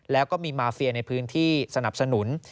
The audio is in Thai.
แล้วก็มีมาเฟียในพื้นที่สนับสนุน